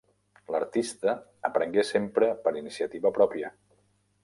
L’artista aprengué sempre per iniciativa pròpia.